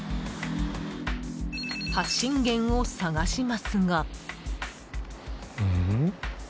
発信源を探しますが。